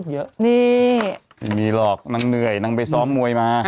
ไม่มีหรอกนั่งเหนื่อยนั่งไปซ้อมมวยมา